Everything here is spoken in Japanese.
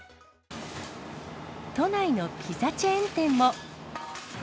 都内のピザチェーン店も。